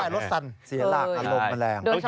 รถสันเสียรากอารมณ์แรง